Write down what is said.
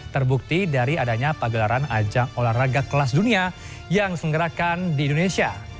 terbukti dari adanya pagelaran ajang olahraga kelas dunia yang senggerakan di indonesia